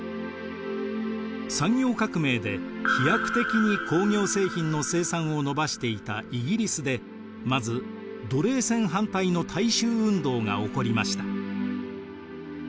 産業革命で飛躍的に工業製品の生産を伸ばしていたイギリスでまず奴隷船反対の大衆運動が起こりました。